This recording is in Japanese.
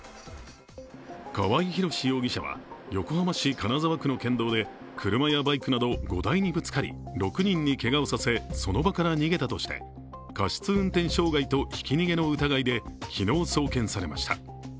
川合広司容疑者は横浜市金沢区の県道で車やバイクなど５台にぶつかり、６人にけがをさせその場から逃げたとして過失運転傷害とひき逃げの疑いで昨日送検されました。